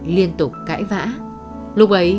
bởi mẹ quá yêu cha